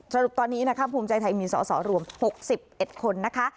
สรุปตอนนี้นะคะภูมิใจไทยมีสอสอรวม๖๑คนนะคะ